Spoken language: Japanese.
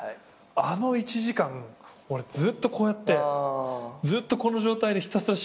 あの１時間俺ずっとこうやってずっとこの状態でひたすら深呼吸してた。